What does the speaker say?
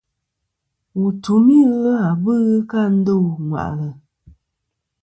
Wù n-tùmi ɨlvâ bu ghɨ kɨ a ndô ŋwàʼlɨ̀.